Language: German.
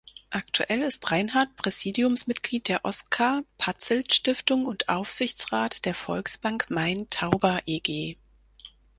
Aktuell ist Reinhart Präsidiumsmitglied der Oskar-Patzelt-Stiftung und Aufsichtsrat der Volksbank Main-Tauber eG.